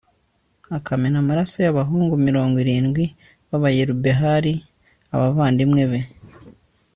akamena amaraso y'abahungu mirongo irindwi ba yerubehali, abavandimwe be